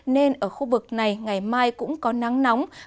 nên ở khu vực này ngày mai cũng có nắng nóng